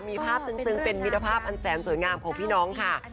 มีภาพซึ้งเป็นมิตรภาพอันแสนสวยงามของพี่น้องค่ะ